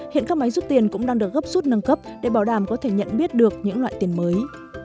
hiện các máy rút tiền cũng đang được gấp rút nâng cấp để bảo đảm có thể nhận biết được những loại tiền mới